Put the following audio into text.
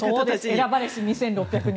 選ばれし２６００人。